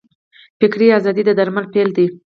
فکري ازادي د درمل پیل دی.